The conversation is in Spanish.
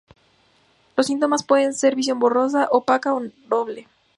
Los síntomas pueden ser visión borrosa, opaca o doble.